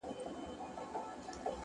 د کاغذ تاو شوی کونج د بېحوصلېتوب نښه وي.!